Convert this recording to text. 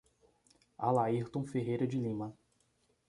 Alairton Ferreira de Lima